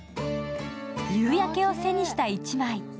夕焼けを背にした１枚。